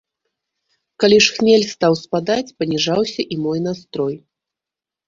Калі ж хмель стаў спадаць, паніжаўся і мой настрой.